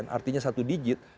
artinya satu digit